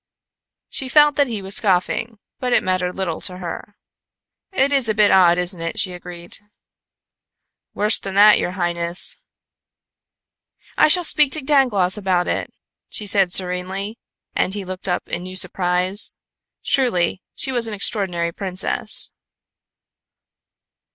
She felt that he was scoffing, but it mattered little to her. "It is a bit odd, isn't it?" she agreed. "Worse than that, your highness." "I shall speak to Dangloss about it," she said serenely, and he looked up in new surprise. Truly, she was an extraordinary princess.